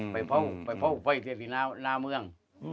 พบไปเจอการแรกที่หน้าเมือง